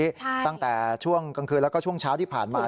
ตั้งแต่ช่วงกลางคืนแล้วก็ช่วงเช้าที่ผ่านมา